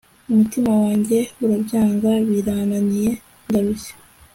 umutima wanjye urabyanga, birananiye ndarushye